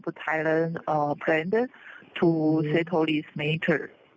เพื่อช่วยเกิดแพร่ในไทยให้มีความรู้ว่าสัมภัยก็แล้ว